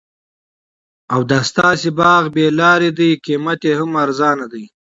او دا ستاسي باغ بې لاري دي قیمت یې هم ارزانه دي